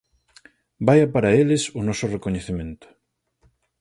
Vaia para eles o noso recoñecemento.